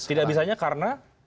tidak bisa karena